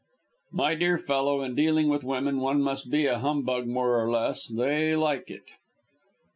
"My dear fellow, in dealing with women, one must be a humbug more or less. They like it."